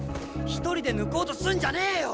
１人で抜こうとすんじゃねえよ。